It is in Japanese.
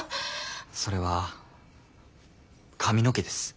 それは髪の毛です。